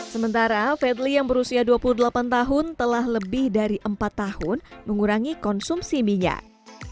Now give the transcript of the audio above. sementara fedley yang berusia dua puluh delapan tahun telah lebih dari empat tahun mengurangi konsumsi minyak